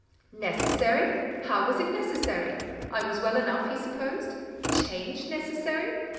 "Necessary! How was it necessary? I was well enough, he supposed? Change necessary!